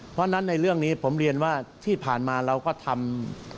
เพราะฉะนั้นในเรื่องนี้ผมเรียนว่าที่ผ่านมาเราก็ทำ